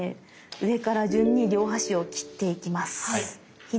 上から順に両端を切っていきます。